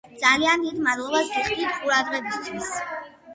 ძალიან დიდ მადლობას გიხდით ყურადღებისთვის